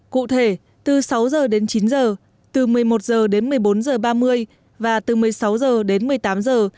cụ thể từ sáu giờ đến chín giờ từ một mươi một giờ đến một mươi bốn giờ ba mươi và từ một mươi sáu giờ đến một mươi tám giờ